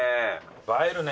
映えるね。